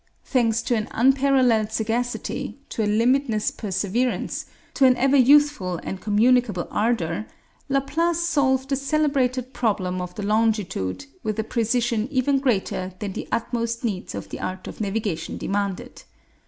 Thanks to an unparalleled sagacity, to a limitless perseverance, to an ever youthful and communicable ardor, Laplace solved the celebrated problem of the longitude with a precision even greater than the utmost needs of the art of navigation demanded.